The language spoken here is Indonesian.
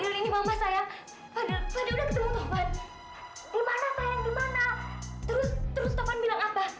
tidak mungkin ya allah